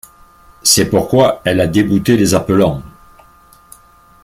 C’est pourquoi elle a débouté les appelants.